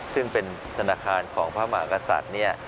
ซึ่งเป็นธนาคารของพระมหากษัตริย์เนี่ย